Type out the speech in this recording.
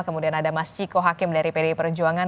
kemudian ada mas ciko hakim dari pdi perjuangan